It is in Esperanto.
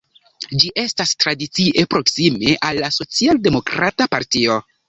Ĝi estas tradicie proksime al la socialdemokrata partio.